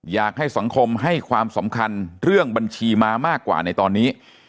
อยากให้สังคมให้ความสำคัญเรื่องบัญชีม้ามากกว่าในตอนนี้